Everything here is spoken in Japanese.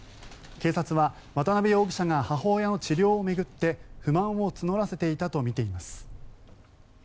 警察は渡辺容疑者が母親の治療を巡って不満を募らせていたとみています。